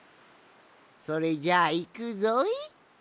それじゃあいくぞい。